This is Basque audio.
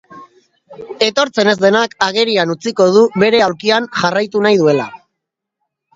Etortzen ez denak agerian utziko du bere aulkian jarraitu nahi duela.